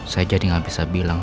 saya jadi nggak bisa bilang